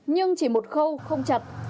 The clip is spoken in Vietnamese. nhưng chỉ một khâu không chặt